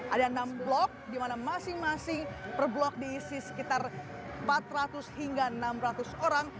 ada enam blok di mana masing masing per blok diisi sekitar empat ratus hingga enam ratus orang